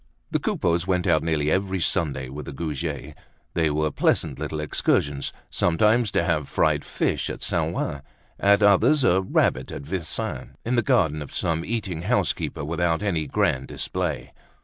The Coupeaus went out nearly every Sunday with the Goujets. They were pleasant little excursions, sometimes to have some fried fish at Saint Ouen, at others a rabbit at Vincennes, in the garden of some eating house keeper without any grand display.